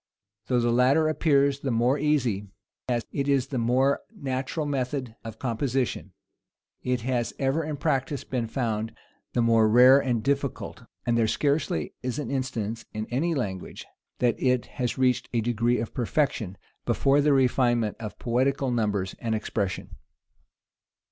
Though the latter appears the more easy, as it is the more natural method of composition, it has ever in practice been found the more rare and difficult; and there scarcely is an instance, in any language, that it has reached a degree of perfection, before the refinement of poetical numbers and expression.